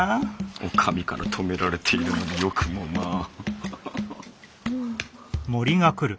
お上から止められているのによくもまあ。